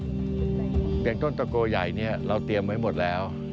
อย่างต้นตะโกใหญ่นี้เราเตรียมไว้หมดแล้ว